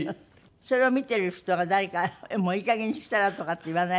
それを見てる人が誰か「もういいかげんにしたら？」とかって言わない？